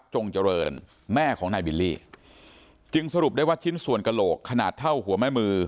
จงเจริญแม่ของนายบิลลี่จึงสรุปได้ว่าชิ้นส่วนกระโหลกขนาดเท่าหัวแม่มือ